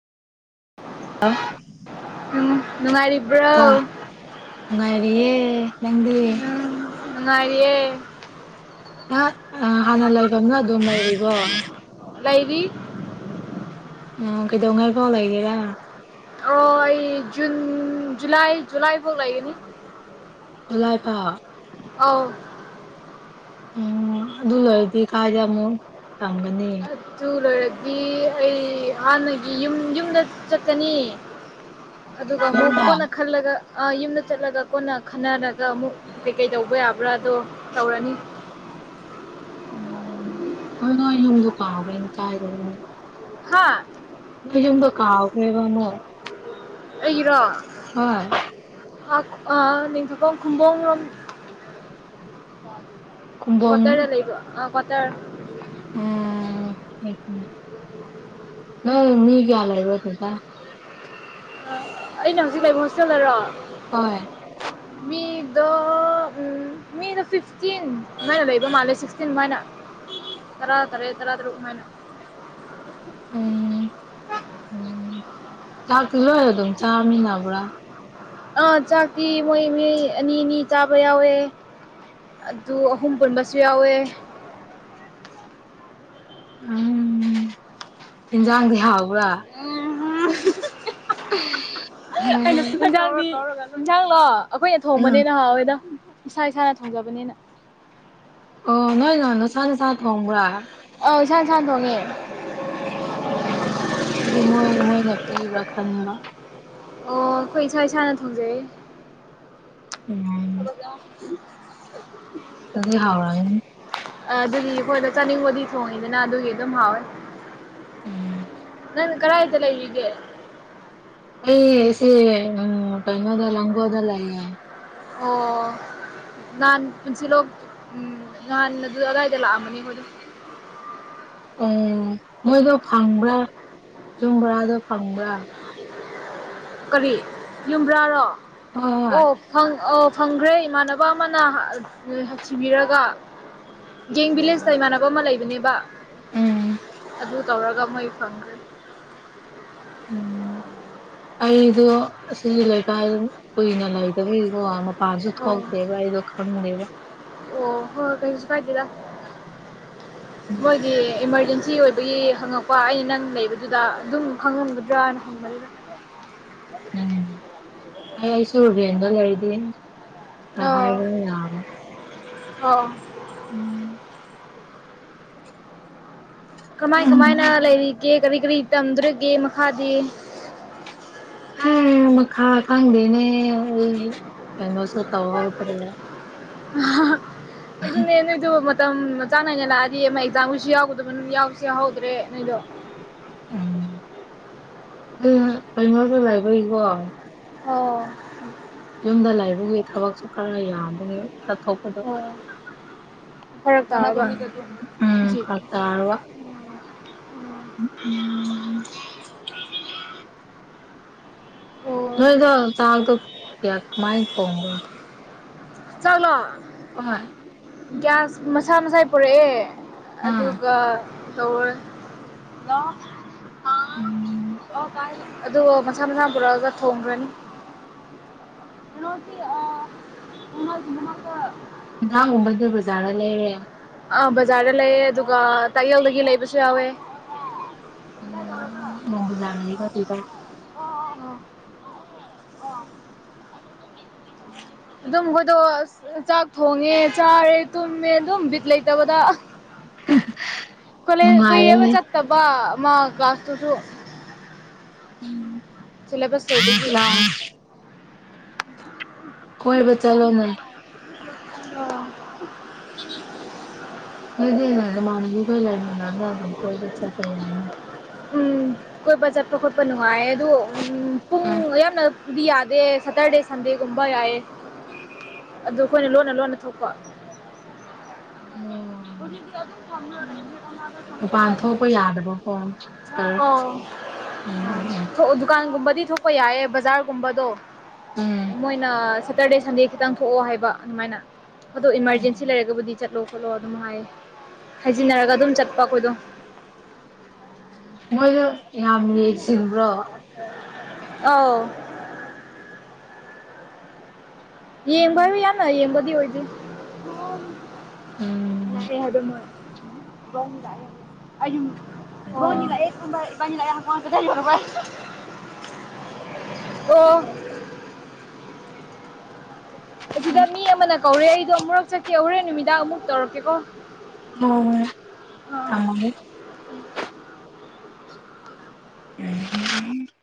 ꯎꯝ ꯅꯨꯡꯉꯥꯏꯔꯤꯕ꯭ꯔꯣ ꯉꯉꯥꯏꯔꯤꯦ ꯂꯪꯗꯤ ꯉꯉꯔꯤꯌꯦꯌꯦ ꯍꯥꯟꯅ ꯂꯩꯐꯝꯅ ꯑꯗꯨꯝ ꯂꯩꯔꯤꯕꯣ ꯂꯩꯕꯤ ꯎ ꯀꯩ ꯗꯉꯔ ꯐꯥꯎ ꯂꯒꯦꯗ ꯑꯣ ꯑꯩ ꯖꯨꯟ ꯖꯨꯂꯥꯏ ꯖꯨꯂꯥꯏ ꯐꯥꯎ ꯂꯩꯒꯦꯅꯤ ꯆꯂꯥꯏ ꯄꯥꯎ ꯑ ꯎꯝ ꯑꯗꯨꯜꯜꯗꯤ ꯀꯥꯖꯝꯨꯟ ꯑ ꯆꯂꯣ ꯗꯒꯤ ꯑꯩ ꯍꯥꯟꯅꯒꯤ ꯌꯨꯝ ꯌꯨꯝꯗ ꯆꯠꯀꯅꯤ ꯑꯗꯨꯒ ꯌꯨꯝꯗ ꯑꯃꯨꯛꯀꯣꯟꯅ ꯈꯜꯂꯒ ꯑ ꯌꯨꯝꯗ ꯆꯠꯂꯒ ꯀꯣꯟꯅ ꯈꯟꯅꯔꯒ ꯑꯃꯨꯛ ꯀꯩꯀꯩ ꯇꯧꯕ ꯌꯥꯕ꯭ꯔꯥꯗꯣ ꯇꯧꯔꯅꯤ ꯎꯝ ꯑ ꯏꯩꯅ ꯀꯥꯕꯅ ꯀꯥꯏ ꯍꯥꯥ ꯌꯕ ꯀꯥꯎꯈ꯭ꯔꯦꯕꯃꯣ ꯑꯩꯔꯣ ꯑ ꯅꯤꯡꯀ ꯀꯨꯝꯕ ꯔꯣꯝ ꯈꯨꯝꯕꯣꯡ ꯀꯇꯥꯔ ꯂꯩ ꯏꯒ ꯑ ꯀꯇꯥꯔ ꯅ ꯃꯤ ꯀꯌꯥꯂ ꯑꯣꯏꯕ ꯊꯗ ꯑꯩꯅ ꯍꯧꯖꯤꯛ ꯂꯩꯕ ꯍꯣꯁꯇꯦꯜ ꯂꯩꯔꯣ ꯍ ꯃꯤꯗ ꯃꯤꯗ ꯐꯤꯐꯇꯤꯟ ꯃꯣꯏꯅ ꯂꯩꯕ ꯃꯥꯜꯂꯦ ꯁꯤꯛꯁꯇꯤꯟ ꯃꯥꯏꯅ ꯇꯔꯥ ꯇꯔꯦ ꯇꯔꯥ ꯇꯔꯨꯛ ꯃꯥꯏꯅ ꯎꯝ ꯎꯝ ꯆꯥꯛꯇꯤ ꯂꯣꯏꯔ ꯑꯗꯨꯝ ꯆꯥꯃꯤꯟꯅꯕ꯭ꯔꯥ ꯑꯥ ꯆꯥꯛꯇ ꯃꯣꯏ ꯃꯤ ꯑꯅꯤ ꯑꯅꯤ ꯆꯥꯕ ꯌꯥꯎꯋꯦ ꯑꯗꯨ ꯑꯍꯨꯝ ꯄꯨꯟꯕꯁꯨ ꯌꯥꯎꯋꯦ ꯎꯝ ꯏꯟꯖꯥꯡꯁ ꯍꯥꯎꯕ꯭ꯔꯥ ꯩꯅ ꯎꯝ ꯏꯟꯁꯥꯡꯂꯣ ꯑꯩꯈꯣꯏꯅ ꯊꯣꯡꯕꯅꯦꯅ ꯍꯥꯎꯋꯦꯗ ꯏꯁꯥ ꯏꯁꯥꯅ ꯊꯣꯡꯖꯕꯅꯤꯅ ꯑꯣ ꯅꯣꯏ ꯅꯣꯏ ꯅꯨꯡꯁꯥ ꯅꯨꯡꯁꯥ ꯊꯣꯡꯕ꯭ꯔ ꯑꯧ ꯏꯁꯥꯥꯟ ꯏꯁꯥꯅ ꯊꯣꯡꯉꯦ ꯎꯝ ꯍꯥꯏꯗꯤ ꯃꯣꯏ ꯃꯣꯏꯅ ꯄꯤꯕ꯭ꯔꯥ ꯈꯟꯕ ꯑꯣ ꯑꯩꯈꯣꯏ ꯏꯁꯥ ꯏꯁꯥꯅ ꯊꯣꯡꯖꯩ ꯎꯝ [inaudible] ꯑꯗꯨꯗꯤ ꯍꯥꯎꯔꯅꯤ ꯑꯗꯨꯒꯤ ꯑꯩꯈꯣꯏꯗ ꯆꯥꯅꯤꯡꯕꯗꯤ ꯊꯣꯡꯉꯤꯗꯅ ꯑꯗꯨꯒꯤ ꯑꯗꯨꯝ ꯍꯥꯎꯋꯦ ꯅ ꯀꯔ ꯍꯥꯏꯇꯂ ꯍꯒ ꯑꯩ ꯑꯦꯁꯦ ꯎ ꯀꯩꯅꯣꯗ ꯂꯤꯡꯒꫭꯜꯗ ꯂꯩ ꯑꯣ ꯅꯍꯥꯟ ꯄꯨꯟꯁꯤꯂꫭꯛ ꯅꯍꯥꯟ ꯑꯗꯨ ꯑꯗꯥꯏꯗ ꯂꯥꯛꯑꯃꯅꯤ ꯑꯩꯈꯣꯏꯗꯣ [inaudible] [unintelligible] ꯎꯝ ꯃꯣꯏꯗꯣ ꯐꯪꯕ꯭ꯔꯥ ꯌꯨꯝꯕꯣꯔꯥꯗꯣ ꯐꯪꯕ꯭ꯔꯥ ꯀꯔꯤ ꯌꯨꯝꯕ꯭ꯔꯥꯔꯣ ꯍꯣꯏ ꯍꯣꯏ ꯑꯣ ꯐꯪ ꯑ ꯐꯪꯈ꯭ꯔꯦ ꯏꯃꯥꯟꯅꯕ ꯑꯃꯅ ꯊꯤꯕꯤꯔꯒ ꯌꯦꯡ ꯚꯤꯂꯦꯖꯇ ꯏꯃꯥꯟꯅꯕ ꯑꯃ ꯂꯩꯕꯅꯦꯕ ꯎꯝ ꯑꯗꯨꯨ ꯇꯧꯔꯒ ꯃꯩ ꯐꯪꯈ꯭ꯔꯦ ꯎꯝ ꯑꯩꯗꯣ ꯁꯤꯒꯤ ꯂꯩꯀꯥꯏ ꯀꯨꯏꯅ ꯂꯩꯇꯕꯤꯒꯤꯕ ꯋꯥ ꯄꯖꯨ ꯑꯣ ꯊꫭꯛꯇꯦꯕ ꯑꯩꯁꯨ ꯈꯪꯗꯦꯕ ꯍ ꯀꯩꯁꯨ ꯍꯥꯏꯒꯦꯗ ꯃꯣꯏꯒꯤ ꯏꯃꯥꯔꯖꯦꯟꯁꯤ ꯑꯣꯏꯕꯒꯤ ꯍꯪꯉꯛꯄ ꯑꯩꯅ ꯅꯪ ꯂꯩꯕꯗꯨꯗ ꯑꯗꯨꯝ ꯈꯪꯉꯝꯒꯗ꯭ꯔꯅ ꯍꯪꯕ ꯎꯝ ꯑꯩꯁꯨꯨ ꯔꯟꯗ ꯂꯩꯗꯤ ꯑꯍꯕ ꯌꯥꯔ ꯑ [unintelligible] [inaudible] ꯎꯝ ꯀꯃꯥꯏ ꯀꯃꯥꯏꯅ ꯂꯩꯔꯤꯒꯦ ꯀꯔꯤ ꯀꯔꯤ ꯇꯝꯗꯔꯤꯒꯦ ꯃꯈꯥꯗꯤ ꯑꯦ ꯃꯈꯥ ꯈꯥꯡꯗꯦꯅꯦ ꯀꯩꯅꯩꯅꯣ ꯇꯋꯥꯕꯨꯇꯔꯦ ꯑꯗꯨ ꯃꫭꯏꯗꯨ ꯃꯇꯝ ꯆꯆꯥꯥ ꯅꯥꯏꯅ ꯂꯥꯛꯑꯗꯤ ꯑꯃ ꯑꯦꯛꯖꯥꯝꯒꯁꯨ ꯌꯥꯎꯒꯗꯕ ꯌꯥꯎꯁꯨ ꯌꯥꯎꯍꯧꯗ꯭ꯔꯦ ꯅꯣꯏꯗꯣ ꯎ ꯀꯃ ꯆꯂꯥꯏꯕ ꯀꯣ ꯑꯣ ꯌꯨꯝꯗ ꯂꯥꯏꯕꯨꯒꯤ ꯊꯕꯛꯁꯨ ꯈꯔ ꯌꯥꯕꯅꯤ ꯆꯠꯊꯣꯛꯄꯗꯣ ꯐꯔꯛ ꯇꯥꯔꯒ ꯎꯝ ꯐꯔꯛ ꯇꯥꯔꯕ ꯎꯝ ꯑꯣ ꯅꯗ ꯇ ꯀꯌꯥꯃꯥꯏ ꯀꯍꯒ ꯆꯂꯣ ꯑꯣꯏ ꯒ꯭ꯌꯥꯁ ꯃꯁꯥ ꯃꯁꯥ ꯄꯣꯔꯛꯑꯦ ꯎꯝ ꯑꯗꯨꯒ ꯑꯗꯨ ꯁꯝꯅ ꯣꯔꯥꯑꯒ ꯊꯣꯡꯈ꯭ꯔꯅꯤ ꯀꯅꯣꯇ ꯃꯍꯥꯛꯀ ꯎꯕꯗꯕꯨꯖꯥꯅ ꯂꯩꯔꯦ ꯑ ꯕꯖꯥꯔꯗ ꯂꯩꯌꯦ ꯑꯗꯨꯒ ꯇꯥꯛꯌꯦꯜꯗꯒꯤ ꯂꯩꯕꯁꯨ ꯌꯥꯎꯋꯦ ꯎꯝ ꯃꯕꯨꯖꯅ ꯇꯗ ꯎꯝ ꯑꯗꯨꯝ ꯃꯣꯏꯗꯣ ꯆꯥꯛ ꯊꯣꯡꯉꯦ ꯆꯥꯔꯦ ꯇꯨꯝꯃꯦ ꯑꯗꯨꯝ ꯕꯤꯠ ꯂꯩꯇꯕꯗ [unintelligible] [inaudible] ꯀꯂ ꯀ ꯑꯦꯕ ꯅꯨꯡꯉꯥꯏꯌꯦꯅꯦ ꯆꯠꯇꯄꯥ ꯃꯥ ꯀꯥꯁ ꯇꯨꯁꯨ ꯎꯝ ꯆꯂꯕ ꯁꯕꯒꯤ ꯀꯣꯏꯕ ꯆꯠꯂꯣꯅꯦ ꯑꯣ [unintelligible] [inaudible] ꯑꯗꯨꯗ ꯃꯥꯅꯒꯤꯒꯣ ꯂꯗ ꯑꯗꯨꯝ ꯀꯣꯏꯜꯕ ꯆꯠ ꯀꯌꯥꯃꯦ ꯎꯝ ꯑꯩꯈꯣꯏ ꯕꯖꯥꯔꯄ ꯈꯣꯠꯄ ꯅꯨꯡꯉꯥꯏ ꯑꯗꯣ ꯎꯝ ꯄꯨꯡ ꯎꯝ ꯌꯥꯝꯅꯗꯤ ꯌꯥꯗ ꯁꯇꯔꯗꯦ ꯁꯟꯗꯦꯒꯨꯝꯕ ꯌꯥꯌꯦ ꯑꯗꯨ ꯑꯩꯈꯣꯏꯅ ꯂꯣꯟꯅ ꯂꯣꯟꯅ ꯊꯣꯛꯄ ꯑꯣꯝ [unintelligible] [inaudible] ꯌꯥꯗꯕꯀꯣ ꯁꯥꯔ ꯎꯝ ꯎꯝ ꯎꯝ ꯗꯨꯀꯥꯟꯒꯕ ꯑꯗꯨ ꯊꯣꯛꯄ ꯌꯥꯏꯌꯦ ꯕꯖꯥꯔꯒꯨꯝꯕꯗꯣ ꯎꯝ ꯃꯣꯏꯅ ꯁꯦꯇꯔꯗꯦ ꯁꯟꯗꯦ ꯈꯤꯇꯪ ꯊꯣꯛꯑꯣ ꯍꯥꯏꯕ ꯑꯗꯨꯃꯥꯏꯅ ꯑꯗꯣ ꯏꯃꯥꯔꯖꯦꯟꯁꯤ ꯂꯩꯔꯒꯕꯨꯗꯤ ꯆꯠꯂꯣ ꯈꯣꯠꯂꯣ ꯑꯗꯨꯝꯉꯥꯏꯌꯦ ꯍꯥꯏꯖꯤꯟꯅꯔꯒ ꯑꯗꯨꯝ ꯆꯠꯄ ꯑꯩꯈꯣꯏꯗꯣ ꯃꯣꯏꯗꯣ ꯌꯥꯝ ꯌꯦꯁꯤꯟꯕ꯭ꯔꯣ ꯑ ꯌꯦꯡꯕꯥꯕꯤ ꯌꯥꯅ ꯌꯦꯡꯕꯗꯤ ꯑꯣꯏꯗꯤ ꯎꯝ ꯍꯥꯏ [inaudible] ꯍꯣꯏ ꯐ ꯑꯣ ꯑꯁꯤꯗ ꯃꯤ ꯑꯃꯅ ꯀꯧꯔꯦ ꯑꯩꯗꯣ ꯑꯃꯨꯔꯛ ꯆꯠꯀꯦ ꯍꯣꯔꯦꯟ ꯅꯨꯃꯤꯗꯥꯡ ꯑꯃꯨꯛ ꯇꯧꯔꯛꯀꯦꯀꯣ ꯑꯣ ꯑ ꯎ